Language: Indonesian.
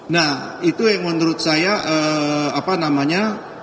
nah itu yang menurut saya apa namanya